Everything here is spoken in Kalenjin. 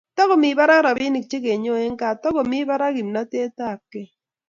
takomii barak rapinik chekenyoe ngaa takomii barak kanamtaet ab kei